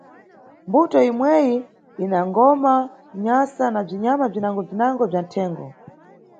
Mbuto imweyi ina ngoma, nyasa na bzinyama bzinangobzinango bza nʼthengo.